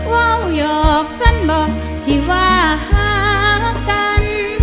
ว่าวหยอกสั้นบอกที่ว่าหากัน